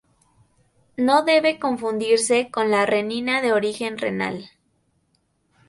No debe confundirse con la renina de origen renal.